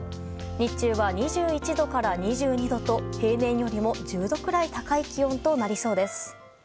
日中は２１度から２２度と平年よりも１０度くらい高い気温となりそうです。